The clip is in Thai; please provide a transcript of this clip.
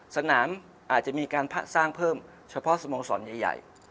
สนามอาจจะมีการสร้างเพิ่มเฉพาะสโมสรใหญ่